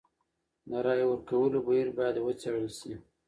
د رايې ورکولو بهير بايد وڅېړل سي.